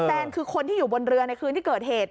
แซนคือคนที่อยู่บนเรือในคืนที่เกิดเหตุ